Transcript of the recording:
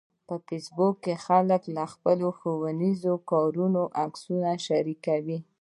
په فېسبوک کې خلک د خپلو ښوونیزو کارونو عکسونه شریکوي